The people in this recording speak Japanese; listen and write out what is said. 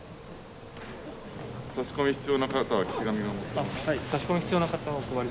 差し込み必要な方は岸上が持ってます。